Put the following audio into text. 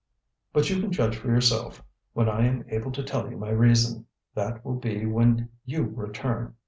But you can judge for yourself when I am able to tell you my reason. That will be when you return.